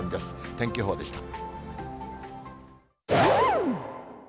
天気予報でした。